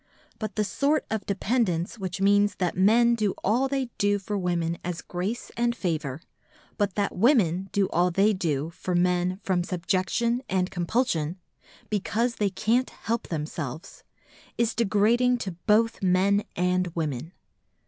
But the sort of dependence which means that men do all they do for women as grace and favour, but that women do all they do for men from subjection and compulsion,—because they can't help themselves,—is degrading to both men and women.